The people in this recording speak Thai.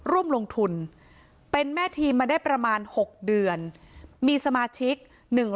ร่วมลงทุนเป็นแม่ทีมมาได้ประมาณ๖เดือนมีสมาชิก